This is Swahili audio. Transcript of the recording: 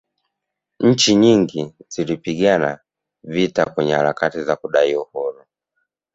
nchi nyingi zilipigana vita kwenye harakati za kudai uhuru